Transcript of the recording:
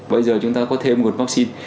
bây giờ chúng ta có thêm nguồn vaccine